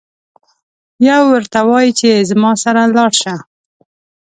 یو ورته وایي چې زما سره لاړشه.